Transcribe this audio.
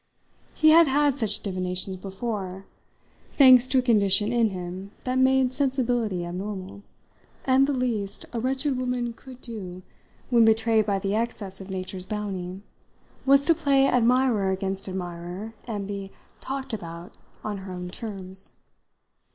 He had had such divinations before thanks to a condition in him that made sensibility abnormal and the least a wretched woman could do when betrayed by the excess of nature's bounty was to play admirer against admirer and be "talked about" on her own terms.